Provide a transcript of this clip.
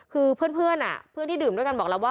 คือเพื่อนเพื่อนที่ดื่มด้วยกันบอกแล้วว่า